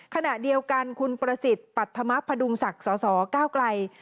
ขณะเดียวกันคุณประสิทธิ์ปัธมพดุงศักดิ์สสก้าวไกล